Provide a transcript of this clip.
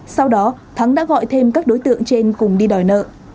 sau đó thắng đã gọi thêm các đối tượng trên cùng đi đòi nợ